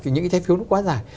những cái trái phiếu nó quá dài